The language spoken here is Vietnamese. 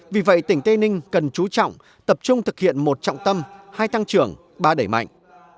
vì vậy tỉnh tây ninh cần chú trọng tập trung thực hiện một trọng tâm hai tăng trưởng ba đẩy mạnh